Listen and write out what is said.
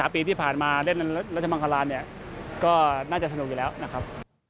๒๓ปีที่ผ่านมาเล่นราชมังคลาน่าจะสนุกอยู่แล้วนะครับ